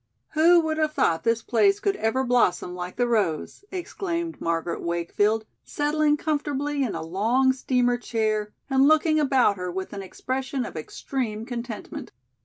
"Who would have thought this place could ever blossom like the rose," exclaimed Margaret Wakefield, settling comfortably in a long steamer chair and looking about her with an expression of extreme contentment.